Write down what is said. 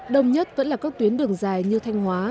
đồng nhất vẫn là các tuyến đường dài như thanh hóa